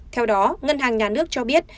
theo đó ngân hàng nhà nước cho biết